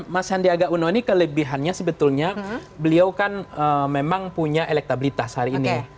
mas sandiaga uno ini kelebihannya sebetulnya beliau kan memang punya elektabilitas hari ini